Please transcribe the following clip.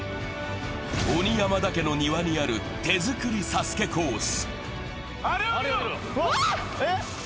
鬼山田家の庭にある手作りＳＡＳＵＫＥコース。